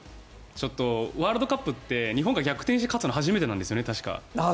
ワールドカップって日本が逆転して勝つのは確か初めてなんですよね？